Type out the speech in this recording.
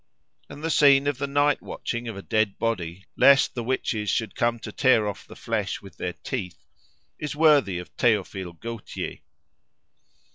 And the scene of the night watching of a dead body lest the witches should come to tear off the flesh with their teeth, is worthy of Théophile Gautier.